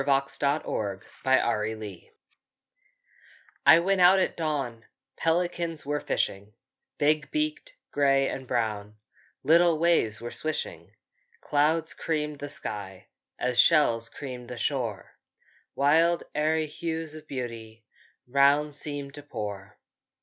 DAWN BLISS (Naples on the Gulf) I went out at dawn, Pelicans were fishing, Big beaked, grey and brown; Little waves were swishing. Clouds creamed the sky, As shells creamed the shore; Wild aery hues of beauty Round seemed to pour!